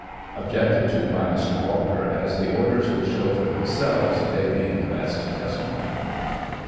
[Objected to by Mr. Walker, as the orders will show for themselves, they being the best testimony.